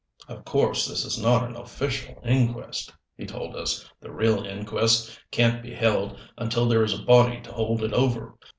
"Of course this is not an official inquest," he told us. "The real inquest can't be held until there is a body to hold it over.